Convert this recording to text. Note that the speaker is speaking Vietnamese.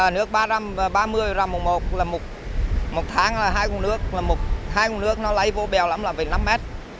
nước ba mươi rằm một tháng là hai con nước hai con nước nó lấy vô bèo lắm là về năm mét